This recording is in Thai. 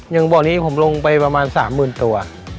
บ่อนี้ผมลงไปประมาณ๓๐๐๐ตัว